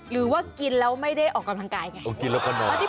หรือว่ากินแล้วไม่ได้ออกกำลังกายไง